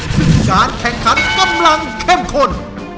ซึ่งการแข่งขันกำลังเข้มข้น